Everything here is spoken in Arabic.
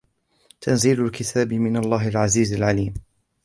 تَنْزِيلُ الْكِتَابِ مِنَ اللَّهِ الْعَزِيزِ الْعَلِيمِ